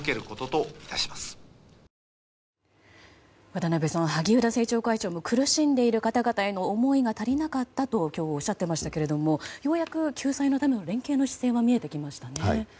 渡辺さん萩生田政調会長も苦しんでいる方々への思いが足りなかったと今日、おっしゃっていましたけどようやく救済のための連携の姿勢が見えてきましたね。